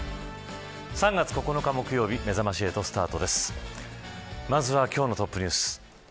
３月９日、木曜日めざまし８スタートですまずは今日のトップニュース。